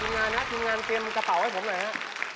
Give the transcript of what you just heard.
กินงานนะกินงานเตรียมกระเป๋าให้ผมหน่อยนะ